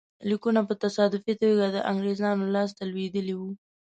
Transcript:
لیکونه په تصادفي توګه د انګرېزانو لاسته لوېدلي وو.